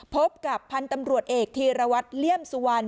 พบกับพันธุ์ตำรวจเอกธีรวัตรเลี่ยมสุวรรณ